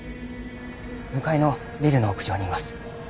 向かいのビルの屋上にいます。